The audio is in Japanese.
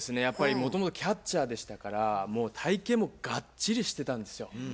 やっぱりもともとキャッチャーでしたからもう体形もガッチリしてたんですよ。